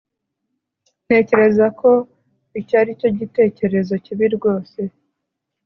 ntekereza ko icyo ari igitekerezo kibi rwose